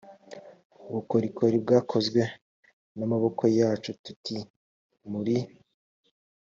ubukorikori bwakozwe n amaboko yacu tuti muri